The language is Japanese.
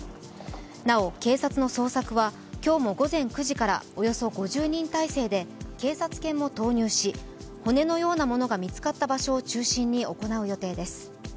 なお警察の捜索は今日も午前９時からおよそ５０人態勢で警察犬も投入し、骨のようなものが見つかった場所を中心に行う予定です。